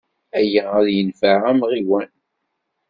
Aya ad yenfeɛ amɣiwan.